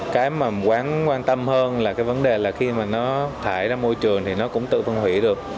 cái mà quán quan tâm hơn là cái vấn đề là khi mà nó thải ra môi trường thì nó cũng tự phân hủy được